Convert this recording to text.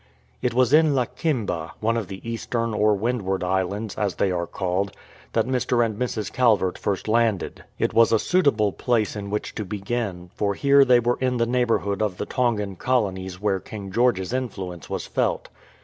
It was in Lakemba, one of the eastern or windward islands, as they are called, that Mr. and Mrs. Calvert first landed. It was a suitable place in which to begin, for here they were in the neighbourhood of the Tongan colonies where King George's influence was felt.